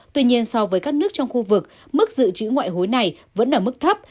tuy nhiên so với các nước trong khu vực mức dự trữ ngoại hối này vẫn ở mức thấp